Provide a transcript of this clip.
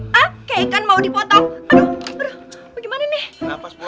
hah kayak ikan mau dipotong